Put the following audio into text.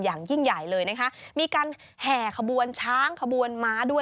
อย่างยิ่งใหญ่เลยนะคะมีการแห่ขบวนช้างขบวนม้าด้วย